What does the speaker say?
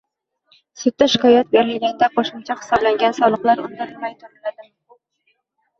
sudga shikoyat berilganda qo‘shimcha hisoblangan soliqlar undirilmay turiladimi?